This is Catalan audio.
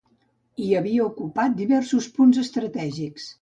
I havia ocupat diversos punts estratègics